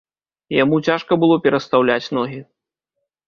Яму цяжка было перастаўляць ногі.